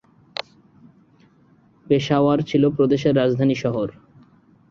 পেশাওয়ার ছিল প্রদেশের রাজধানী শহর।